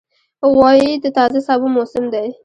غویی د تازه سابو موسم دی.